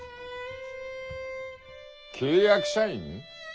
契約社員？